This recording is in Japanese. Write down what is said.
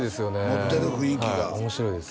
持ってる雰囲気がはい面白いです